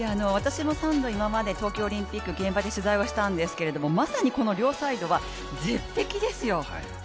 私も３度、これまで冬季オリンピック現場で取材をしたんですけどもまさにこの両サイドは、絶壁ですよ